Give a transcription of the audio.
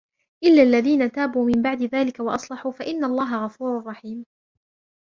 إِلَّا الَّذِينَ تَابُوا مِنْ بَعْدِ ذَلِكَ وَأَصْلَحُوا فَإِنَّ اللَّهَ غَفُورٌ رَحِيمٌ